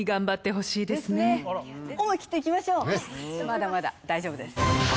まだまだ大丈夫です。